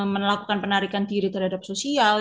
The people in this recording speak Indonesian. melakukan penarikan diri terhadap sosial